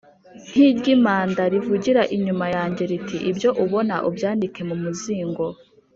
nkiryimpanda rivugira inyuma yanjye riti ibyo ubona ubyandike mu muzingo